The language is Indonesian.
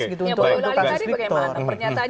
ya boyo lali tadi bagaimana pernyataannya boyo lali